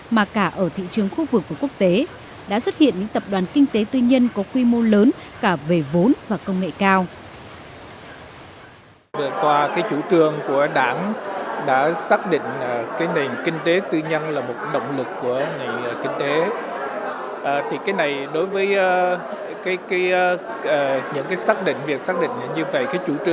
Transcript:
mà cả ở thị trường khu vực và quốc tế đã xuất hiện những tập đoàn kinh tế tư nhân có quy mô lớn cả về vốn và công nghệ cao